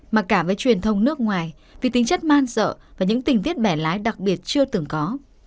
mà cả với truyền thông nước ngoài vì tính chất man dợ và những tình tiết bẻ lái đặc biệt chưa từng có